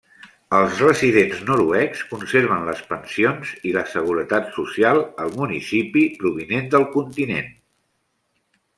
Els residents noruecs conserven les pensions i la seguretat social al municipi provinent del continent.